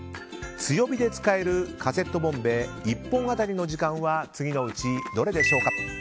強火で使えるカセットボンベ１本当たりの時間は次のうちどれでしょうか？